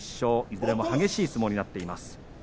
いずれも激しい相撲になっています。